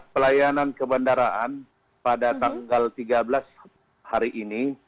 pelayanan ke bandaraan pada tanggal tiga belas hari ini